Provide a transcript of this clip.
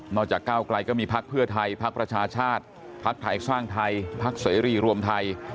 นอกจากก้าวไกลก็มีภาคเพื่อไทยภาคประชาชาติภาคไทยสร้างไทยภาคเสรีรวมไทย